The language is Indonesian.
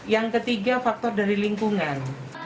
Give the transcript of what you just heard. yang ketiga faktor dari lingkungan